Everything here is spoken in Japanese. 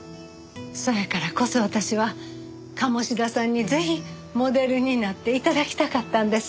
そやからこそ私は鴨志田さんにぜひモデルになって頂きたかったんです。